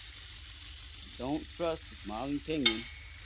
Don't trust the smiling penguin.